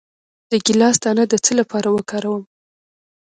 د ګیلاس دانه د څه لپاره وکاروم؟